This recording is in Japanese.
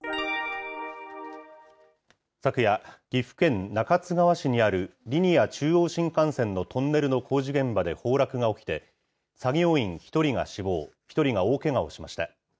昨夜、岐阜県中津川市にあるリニア中央新幹線のトンネルの工事現場で崩落が起きて、作業員１人が死亡、１人が大けがをしました。